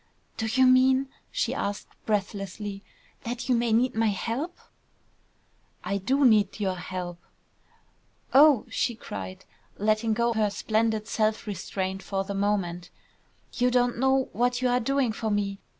"Do you mean," she asked, breathlessly, "that you may need my help?" "I do need your help!" "Oh!" she cried, letting go her splendid self restraint for the moment. "You don't know what you are doing for me!